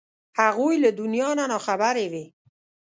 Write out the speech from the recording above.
هغوی له دنیا نه نا خبرې وې.